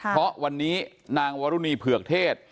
เพราะวันนี้นางวรุณีเผือกเทศ